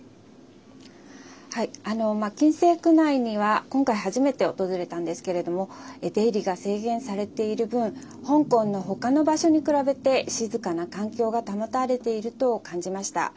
禁制区内には今回初めて訪れたんですけれども出入りが制限されている分香港のほかの場所に比べて静かな環境が保たれていると感じました。